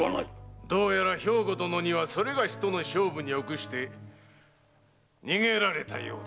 どうやら兵庫殿にはそれがしとの勝負に臆して逃げられたようで。